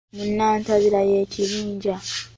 Mu nnantabira y’ekibinja